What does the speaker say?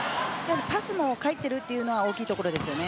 パスが返っているというのが大きいところですね。